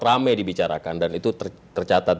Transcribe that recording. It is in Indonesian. rame dibicarakan dan itu tercatat